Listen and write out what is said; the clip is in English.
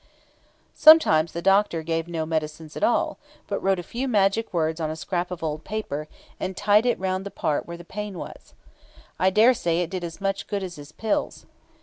Pages 68, 69] Sometimes the doctor gave no medicines at all, but wrote a few magic words on a scrap of old paper, and tied it round the part where the pain was. I daresay it did as much good as his pills.